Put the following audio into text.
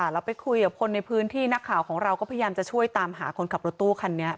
เราไปคุยกับคนในพื้นที่นักข่าวของเราก็พยายามจะช่วยตามหาคนขับรถตู้คันนี้